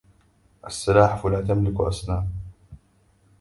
السلاحف لا تملك أسنان.